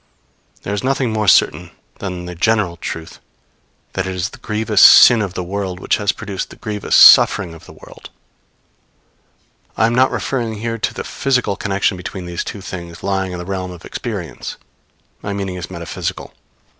There is nothing more certain than the general truth that it is the grievous sin of the world which has produced the grievous suffering of the world. I am not referring here to the physical connection between these two things lying in the realm of experience; my meaning is metaphysical.